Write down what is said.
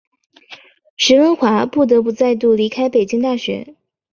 石蕴华不得不再度离开北京大学。